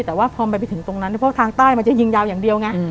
แต่ว่าพอมันไปถึงตรงนั้นเพราะทางใต้มันจะยิงยาวอย่างเดียวไง